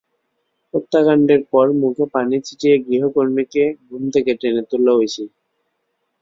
হত্যাকাণ্ডের পর মুখে পানি ছিটিয়ে গৃহকর্মীকে ঘুম থেকে টেনে তোলে ঐশী।